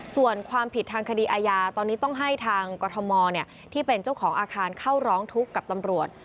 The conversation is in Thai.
ส่วนความผิดทางคดีอาญาตอนนี้ต้องให้ทางกรทมที่เป็นเจ้าของอาคารเข้าร้องทุกข์กับตำรวจ